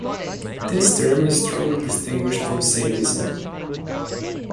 This term is strongly distinguished from sadism.